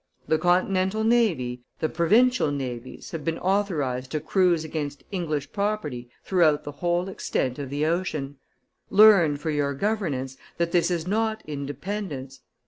The continental navy, the provincial navies, have been authorized to cruise against English property throughout the whole extent of the ocean. Learn, for your governance, that this is not Independence.